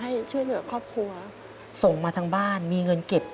แม่จะรู้มีวังลึกบ้านที่หายใจ